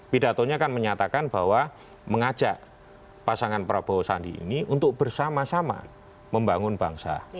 pidatonya kan menyatakan bahwa mengajak pasangan prabowo sandi ini untuk bersama sama membangun bangsa